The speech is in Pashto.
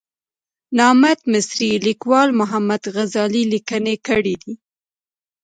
نامت مصري لیکوال محمد غزالي لیکنې کړې دي.